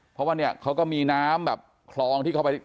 เพราะว่าเนี่ยเขาก็มีน้ำแบบคลองที่เขาไป